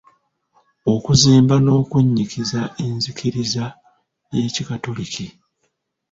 Okuzimba n'okunnyikiza enzikiriza y'Ekikatoliki.